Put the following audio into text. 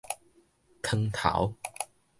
湯頭